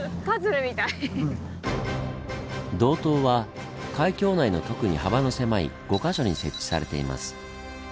導灯は海峡内の特に幅の狭い５か所に設置されています。